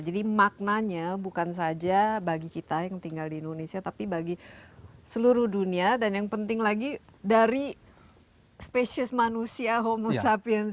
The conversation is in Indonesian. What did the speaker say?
jadi maknanya bukan saja bagi kita yang tinggal di indonesia tapi bagi seluruh dunia dan yang penting lagi dari spesies manusia homo sapiens